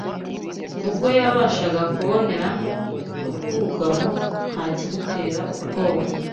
urwo yabashaga kuboneramo ubwugamo nta kimutera ubwoba